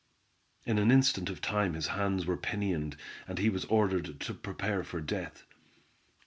In an instant of time his hands were pinioned, and he was ordered to prepare for death.